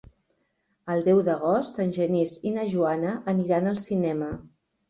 El deu d'agost en Genís i na Joana aniran al cinema.